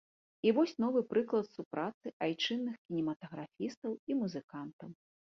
І вось новы прыклад супрацы айчынных кінематаграфістаў і музыкантаў.